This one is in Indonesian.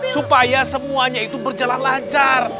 supaya semuanya itu berjalan lancar